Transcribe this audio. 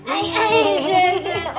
aduh aduh aduh